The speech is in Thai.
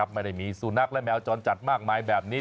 ไม่ได้มีสุนัขและแมวจรจัดมากมายแบบนี้